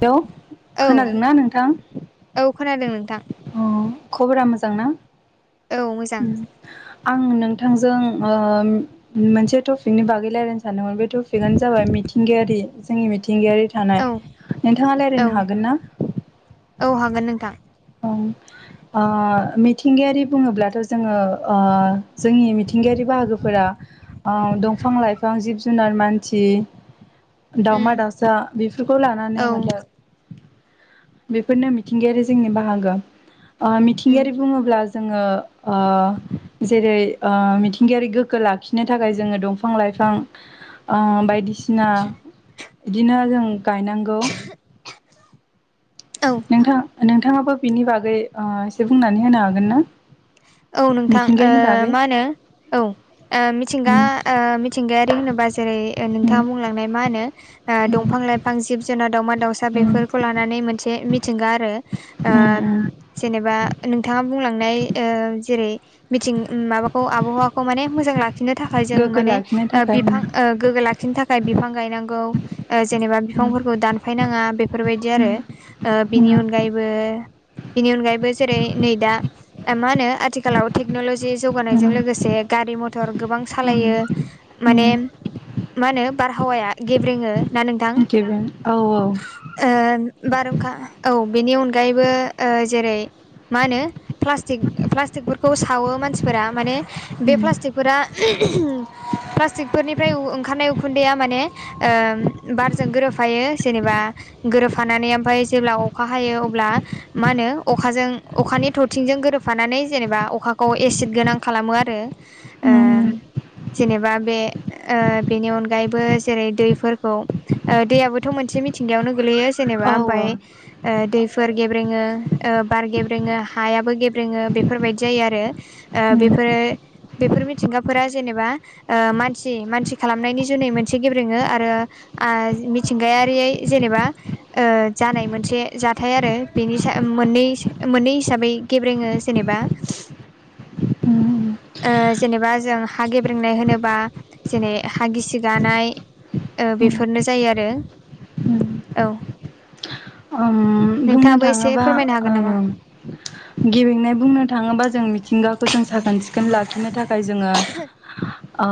Hello औ खोनादोंना नोंथां औ खोनादों नोंथां अ खबरा मोजां ना। औ मोजां आं नोंथांजों ओ मोनसे टपिकनि बागै रायल्लायनो सानदोंमोन बे टपिकआनो जाबाय मिथिंगायारि जोंनि मिथिंगायारि थानाय औ नोंथाङा औ रायज्लायनो हागोन ना। औ हागोन नोंथां। मिथिंगायारि बुङोब्लाथ' जोङो ओ जोंनि मिथिंगायारि बाहागोफोरा दंफां लाइफां जिब जुनार मानसि उम दावमा दाउसा बेफोरखौ लानानै औ म बेफोरनो मिथिंगायारि जोंनि बाहागो उम मिथिंगायारि बुङोब्ला जोङो जेरै मिथिंगायारि गोगो लाखिनो थाखाय जोङो दंफां लाइफां ओ बायदिसिना बिदिनो जों गायनांगौ। [inaudible] नोंथां नोंथाङाबो बिनि बागै ओ एसे बुंनानै होनो हागोन ना? औ नोंथां ओ मिथिंगानि बागै मा होनो औ ओ मिथिंगा उम ओ मिथिंगायारि होनोबा जेरै उम नोंथाङा बुंलांनाय मा होनो ओ उम दंफां उम लाइफां जिब जोंना दाावमा दाउसा उम बेफोरखौ लानानै मोनसे मिथिंगा आरो ओ उम जेनेबा नोंथाङा बुंलांनाय ओ जेरै मिथिं माबाखौ आबहावाखौ माने मोजां ला खिनो थाखाय जों गोग्गो माने लाखिनो ओ थाखाय उम बिफां गोग्गो लाखिनो थाखाय बिफां गायनांगौ। ओ जेनेबा उम बिफांफोरखौ दानफायनाङा बेफोरबायदि आरो। उम ओ बिनि अनगायैबो बिनि अनगायैबो जेरै नै दा ओ मा होनो आथिखालाव टेक्न'लजि उम जौगानायजों लोगोसे गारि मथर गोबां सालायो। माने उम मा होनो बारहावाया गेब्रेङो‌। ना नोंथां। उम गेबें औ ओ बारहुंखा औ बेनि अनगायैबो ओ जेरै मा होनो प्लास्टिक प्लास्टिकफोरखौ सावो मानसिफोरा माने बे उम प्लास्टिकफोरा प्लास्टिकफोरनिफ्राय ओंखारनाय उखुन्दैया माने ओम बारजों गोरोबफायो जेनेबा गोरोबफानानै ओमफ्राय जेब्ला अखा हायो अब्ला मा होनो अखाजों अखानि थ थिंजों गोरोबफानानै जेनेबा अखाखौ एसिद गोनां खालामो आरो। ओ उम जेनेबा बे ओ बेनि अनगायैबो जेरै दैफोरखौ ओ दैयाबोथ' मोनसे मिथिंगायावनो गोलैयो। जेनेबा औ ओमाय ओ दैफोर गेब्रेङो ओ बार गेब्रेङो। हायाबो गेब्रेङो बेफोरबायदि जायो आरो ओ बेफोर ओम बेफोर मिथिंगाफोरा जेनेबा ओ मानसि मानसि खालामनायनि जुनै मोनसे गेब्रेङो आरो आज मिथिंगायारि जेनेबा ओ जानाय मोनसे जाथाय आरो। बेनि मोननै मोननैस हिसाबै गेब्रेङो जेनेबा। उम ओ जेनेबा जों हा गेब्रेंनाय होनोबा जेनै हा गिसि गानाय ओ बेफोरनो जायो आरो औ। ओम बुंनो नोंथाङाबो एसे थाङोबा फोरमायनो हागोन नामा ओं। गेबेंनाय बुंनो थाङोबा जों मिथिंगाखौ जों साखोन सिख खोन लाखिनो थाखाय जोङो ओ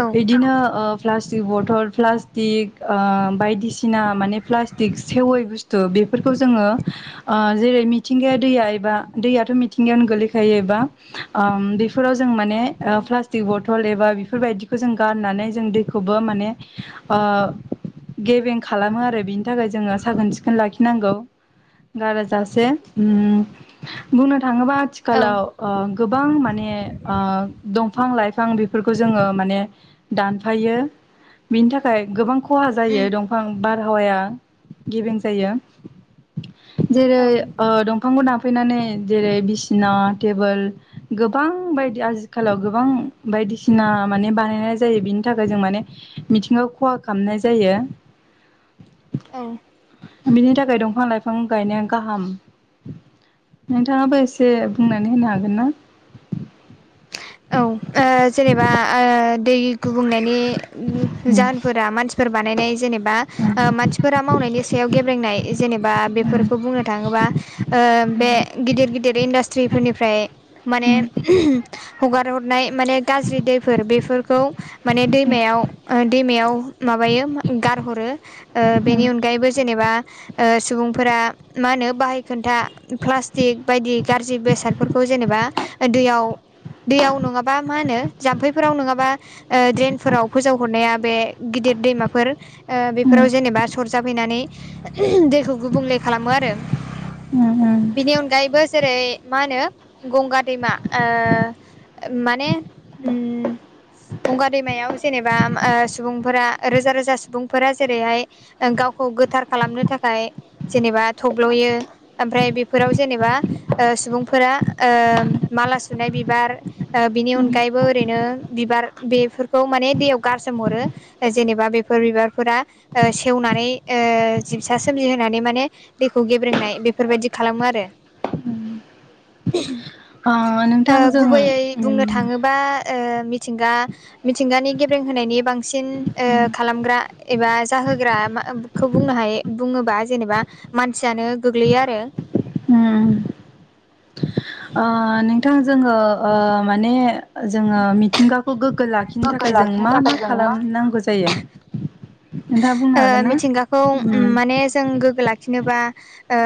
औ इदिनो ओ प्लास्टिक बथल प्लास्टिक ओ बायदिसिना माने प्लास्टिक सेवै बुस्थ थ' बेफोरखौ जोङो ओ जेरै मिथिंगाया दैया एबा दैयाथ' मिथिंगायानो गोलैखायो एबा ओम बेफोराव जों माने ओ प्लास्टिक बथल एबा बेफोरबायदिखौ जों गारनानै जों दैखौबो माने ओ गेबें खालामो आरो बिनि थाखाय जोङो साखोन सिखोन लाखिनांगौ गाराजासे। ओम बुंनो थाङोबा औ आथिखालाव ओ गोबां माने ओ दंफां लाइफां बेफोरखौ जोङो माने दानफायो बिनि थाखाय गोबां खहा उम जायो दंफां बारहावाया गेबें जायो। जेरै औ ओ दंफांखौ दानफायनानै जेरै बिसिना टेबोल गोबां बायदि आजिखालाव गोबां बायदिसिना माने बानायनाय जायो बिनि थाखाय जों माने मिथिङाव खहा खामनाय जायो। औ। बिनि थाखाय दंफां लाइफां गायनाया गाहाम नोंथाङाबो एसे बुंनानै होनो हागोन ना? औ जेनेबा दै गुबुंनायनि जाहोनफोरा मानसि फोर बानायनाय जेनेबा मानसिफोरा मावनायनि सायाव गेब्लेेंनाय जेनेबा बेफोरखौ बुंनो थांङोबा बे गिदिर गिदिर इन्डास्ट्रिफोरनिफ्राय माने हगार हरनाय माने गाज्रि दैफोर बेफोरखौ- माने दैमायाव दैमायाव माबायो गारहरो बेनि अनगायैबो जेनेबा सुबुंफोरा मा होनो बाहाय खोन्था प्लास्टिक बायदि गाज्रि बेसादफोरखौ जेनेबा दैयाव‌ दैयाव नंङाबा मा होनो जाम्फैफोराव नंङाबा ओ दिनफोराव फोजावहरनाया बे गिदिर दैमाफोर ओ उम बेफोराव जेनेबा सरजाबहैनानै दैखौ गुबुंले खालामो आरो। उम उम बिनि अनगायैबो जेरै मा होनो गंगा दैमा ओ? माने ओ गंगा दैमायाव जेनेबा ओ सुबुंफोरा रोजा रोजा सुबुंफोरा जेरैहाय ओ गावखौ गोथार खालामनो थाखाय जेनेबा थब्लयो। ओमफ्राय बेफोराव जेनेबा ओ सुबुंफोरा ओ माला सुनाय बि बिबार बिनि अनगायैबो ओरैनो बिबार बेफोरखौ माने दैयाव गारसोमहरो। जेनेबा बेफोर बिबारफोरा सेवनानै जिबसा सोमजि होनानै माने दैखौ गेब्रेंनाय बेफोरबायदि खालामो आरो ओ नोंथां जों गुबैयै बुंनो उम थांङोबा ओ मिथिंगा मिथिंगानि गेब्रेंहोनायनि बांसिन ओ खालामग्रा एबा जाहोग्रा मा खौ बुंनो हायो बुंङोबा जेनेबा मानसियानो गोग्लैयो आरो ओ अ नोंथां जोंङो ओ माने जोंङो मिथिंगाखौ गोग्गो ला लाखिनो गोग्गो थाखाय जों लाखिनो मा मा थाखाय जों खालामनांगौ जायो। नोंथाङा बुंनो ओ हागोन ना? मिथिंगाखौ ओम उम माने जों गोग्गो ला लाखिनोबा ओ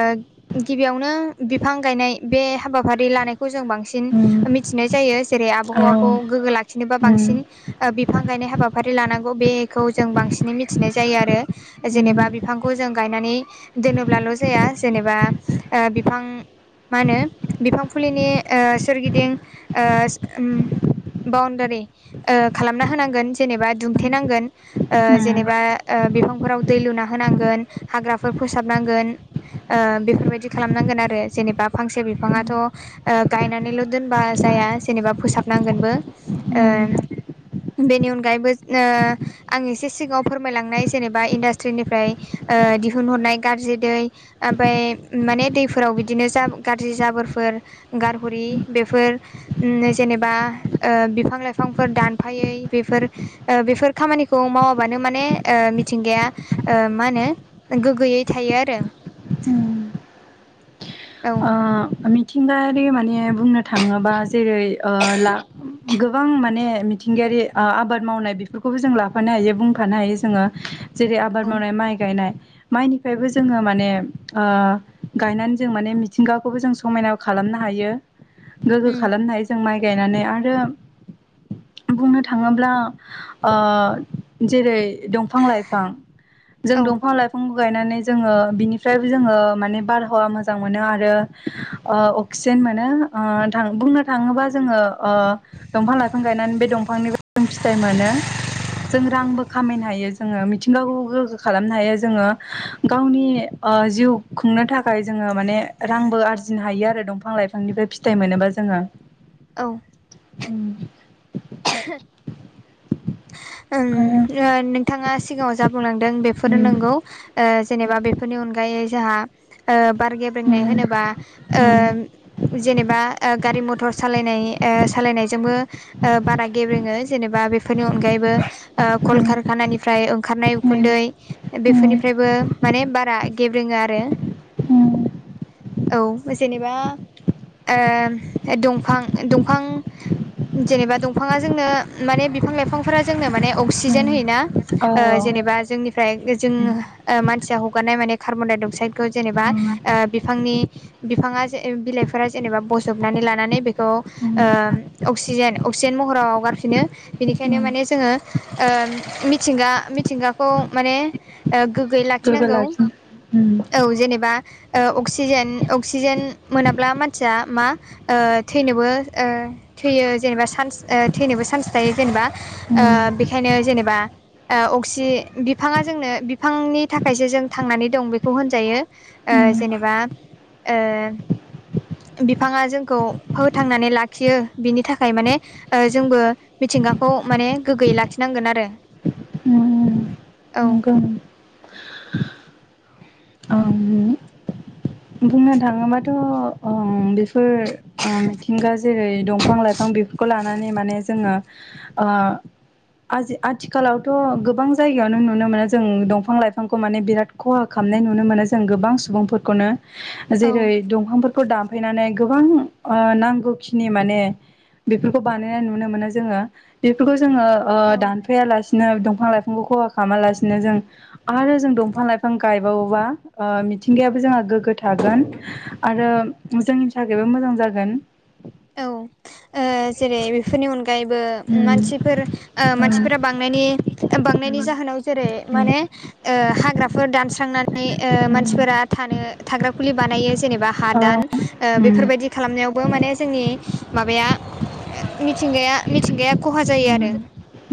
गिबियावनो बिफां गायनाय बे हाबाफारि लानाय खौ जों बांसिन उम मिथिनाय जायो जेरै औ आबहावाखौ गोग्गो लाखिनोबा उम बांसिन ओ बिफां गायनाय हाबाफारि लानांगौ बेखौ जों बांसिनै मिथि नाय जायो आरो उम जेनेबा बिफांखौ जों गायनानै दोनोब्लाल जाया जेनेबा ओ बिफां मा होनो बिफां फुलिनि ओ सोरगिदिं ओ बाउण्डारि ओ खालामना होनांगोन जेनेबा दुमथेनांगोन ओ उम जेने बा ओ बिफांफोराव दै लुना होनांगोन हाग्राफोर फोसाबनांगोन। ओ बेफोरबायदि खालामनांगोन आरो जेनेबा फांसे बिफांङाथ ओ गायनानैल दोनबा जाया जेनेबा फोसाबनांगोनबो ओ उम बेनि अनगायैबो ओ आं एसे सिगांङाव फोरमायलांनाय जेनेबा इन्डास्ट्रिनिफ्राय ओ दिहुनहरनाय गाज्रि दै ओफाय माने दैफोराव बिदिनो जाब गाज्रि जाबोरफोर गारहरि बेफोर ओ नो जेनेबा ओ बिफां लाइफांफोर दानफायै बेफोर ओ बेफोर खामानिखौ मावाबानो मा ने ओ मिथिंगाया ओ मा होनो गोग्गोयै थायो आरो। उम औ ओ मिथिंगायारि माने बुंनो थांङोबा जेरै ओ ला गोबां माने मिथिंगायारि ओ आबाद मावनाय बेफोरखौबो जों लाफानो हायो बुंफानो हायो जोंङो जेरै आबाद औ मावनाय माइ गायनाय माइनिफायबो जोंङो माने गायनानै जों माने मिथिंगाखौबो जों समायना खालामनो हायो गोग्गो उम खालामनो हायो जों माइ गायनानै आरो बुंनो थांङोब्ला ओ जेरै दंफां लाइफां जों औ दंफां लाइफां गायनानै जोङो बिनिफ्रायबो जोङो माने बारहावा मोजां मोनो आरो ओ अक्सिजेन मोनो ओ नोंथां बुंनो थाङोबा जोङो ओ दंफां लाइफां गायनानै बे दंफांनिफ्राय जों फिथाइ मोनो। जों रांबो खामायनो हायो जोङो मिथिंगाखौ गोग्गो खालामनो हायो जोङो गावनि ओ जिउ खुंनो थाखाय जोङो माने रांबो आरजिनो हायो आरो दंफां लाइफांनिफ्राय फिथाइ मोनोबा जोङो औ उम [unintelligible] नोंथाङा सिगाङाव जा बुंलांदों बेफोरो उम नंगौ ओ जेनेबा बेफोरनि अनगायै जों हा बार गेब ब्रेंनाय होनोबा उम जेनेबा गारि मथर सालायनाय सालायनायजोंबो बारा गेब्रेङो जेनेबा बेफोरनि अनगायैबो कलकारखानानिफ्राय ओंखारनाय उखुन्दै बेफोरनिफ्रायबो माने बारा गेब्रोङो आरो औ जेनेबा दंफां दंफां जेनेबा दफां बिफाङा जोंनो माने बिफां लाइफांफोरा जोंनो माने अक्सिजेन होयोना औ जेनेबा जोंनिफ्राय जोंङो मानसिया हगारनाय माने कार्बन डाइ अक्साइद खौ जेनेबा बिफांनि बिफाङा ज बिलाइफोरा जेनेबा बजबनानै लानानै बेखौ अक्सिजेन अकिजेन महराव हगारफिनो बेनिखायनो माने जोङो ओ मिथिंगा मिथिंगाखौ माने ओ गो गैय गोग्गो लाखिनांगौ लाखिनो औ जेनेबा अक्सिजेन अक्सिजेन मोनाब्ला मानसिया मा थैनोबो थैयो जेनेबा चान्स थैनोबो चान्स थायो जेनेबा उम बेखायनो जेनेबा अक्सि बिफाङा जोंनो बिफांनि थाखायसो जों थांनानै दं बेखौ होनजायो ओ उम जेनेबा ओ बिफाङा जोंखौ फोथांनानै लाखियो बिनि थाखाय माने ओ जोंबो मिथिंगाखौ माने गोग्गोयै लाखिनांगोन आरो औ नोंगौ नोंथां [unintelligible] बुंनो थाङोबाथ' बेफोर मिथिंगा जेरै दं बिफां लाइफां बेफोरखौ लानानै माने जोङो आ आथिखालावथ' गोबां जायगायावनो नुनो मोनो जों दंफां लाइफांखौ माने बिराद खहा खालामनाय नुनो मोनो जों गोबां सुबुंफोरखौनो जेरै औ दंफांफोरखौ दानफैनानै गोबां नांगौखिनि माने बेफोरखौ बानायनाय नुनो मोनो जोङो बेफोरखौ जोङो औ दानफैायालासिनो दंफां लाइफांखौ खहा खालामालासिनो जों आरो जों दंफां लाइफां गायबावोबा मिथिंगायाब जोंहा गोगो थागोन आरो जोंनि थाखायबो मोजां जागोन औ ओ जेरै बेफोरनि अनगायैबो उम मानसिफोर मानसिफोरा उम बांनायनि बांनायनि जाहोनाव जेरै उम माने हाग्राफोर दानस्रांना नै ओ उम मानसिफोरा थानो थाग्रा खुलि बानायो जेनेबा औ हादान उम बेफोरबायदि खालामनायावबो माने जोंनि माबाया मिथिंगाया मिथिंगाया खहा जायो आरो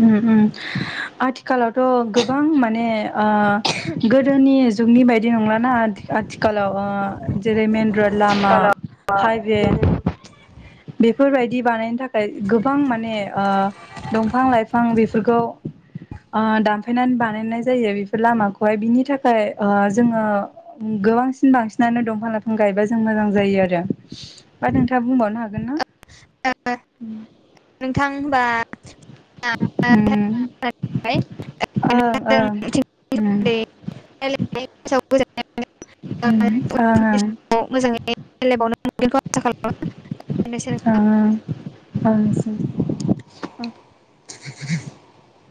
उम उम आथिखालावथ' गोबां माने ओ [unintelligible] गोदोनि जुगनि बायदि नंलाना आथिखालाव जेरै मेन रड लामा, हाइवे बेफोरबायदि बानायनो थाखाय गोबां माने दंफां लाइ फां बेफोरखौ दानफायनानै बानायनाय जायो बेफोर लामाखौहाय। बिनि थाखाय जोङो गोबांसिन बांसिनानो दंफां लाइफां गायबा जों मोजां जायो आरो। बा नोंथाङा बुंबावनो हागोन ना? ओ नोंथां होनबा औ औ। [unintelligible] मोजाङै उम ओं ओं रायलायबावनो बेखौ आसा खालामो [unintelligible] [unintelligible]